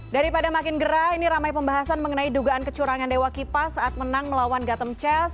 daripada makin gerah ini ramai pembahasan mengenai dugaan kecurangan dewa kipas saat menang melawan gatem chess